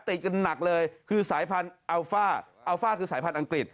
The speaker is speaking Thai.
ติดกันหนักเลยคือสายพันธุ์อัลฟ่าอัลฟ่าคือสายพันธุอังกฤษ